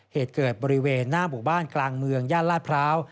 เหตุเกิดบริเวณหน้าหมู่บ้านกลางเมืองย่านลาดพร้าว